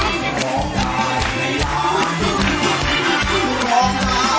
ได้ไหม